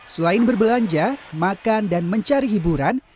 selain berbelanja makan dan mencari hiburan